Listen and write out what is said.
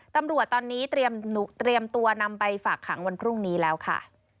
ตำรวจตอนนี้เตรียมตัวนำไปฝากขังวันพรุ่งนี้แล้วค่ะ